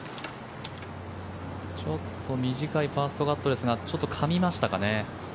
ちょっと短いファーストカットですがちょっとかみましたかね。